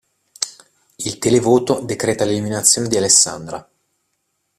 Il televoto decreta l'eliminazione di Alessandra.